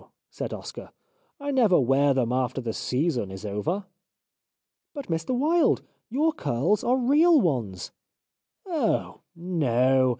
said Oscar, " I never wear them after the season is over." " But, Mr Wilde, your curls are real ones !"" Oh ! No